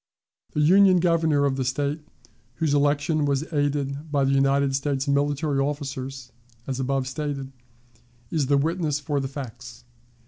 The Union Governor of the State, whose election was aided by the United States military officers, as above stated, is the witness for the facts.